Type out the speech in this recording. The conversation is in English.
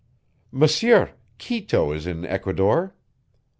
Monsieur, Quito is in Ecuador."